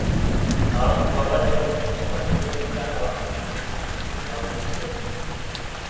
Abamu ku baabadde mu lukiiko bategeezezza ng'abakulu mu kitundu kino, bwe bakozesa emmundu.